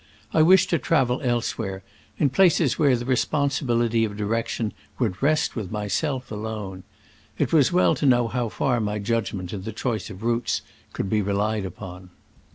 I wished to travel elsewhere, in places where the responsibility of direction would rest with myself alone. It was well to know how far my judgment in the choice of routes could be relied upon.